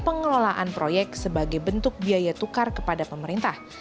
pengelolaan proyek sebagai bentuk biaya tukar kepada pemerintah